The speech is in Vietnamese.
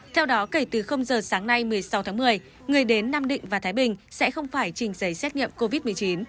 theo đó kể từ giờ sáng nay một mươi sáu tháng một mươi người đến nam định và thái bình sẽ không phải trình giấy xét nghiệm covid một mươi chín